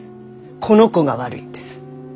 この子が悪いんです。